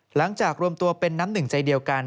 หลังจากรวมตัวเป็นน้ำหนึ่งใจเดียวกัน